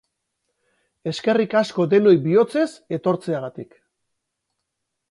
Eskerrik asko denoi bihotzez etortzeagatik!